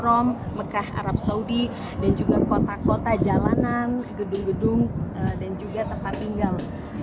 di seluruhan masjidil haram mekah arab saudi dan juga kota kota jalanan gedung gedung dan juga tempat tinggal